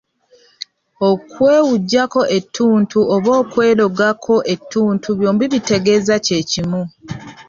Okwewujjako ettuntu oba okwerogako ettuntu byombi bitegeeza kye kimu.